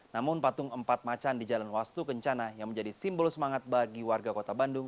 namun patung empat macan di jalan wastu kencana yang menjadi simbol semangat bagi warga kota bandung